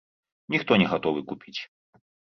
Ніхто не гатовы купіць.